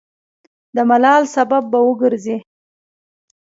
د ملال سبب به وګرځي.